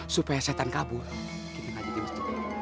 supaya setan kabur kita ngaji di masjid